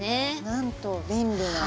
なんと便利な。